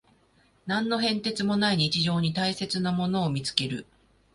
何の変哲もない日常に大切なものを見つける